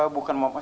bukan maaf pak